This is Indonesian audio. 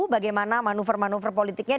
bagaimana manuver manuver politiknya